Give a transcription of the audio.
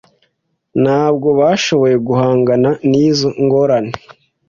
Ntabwo bashoboye guhangana nizo ngorane.